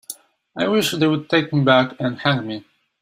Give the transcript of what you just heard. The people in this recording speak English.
I wish they'd take me back and hang me.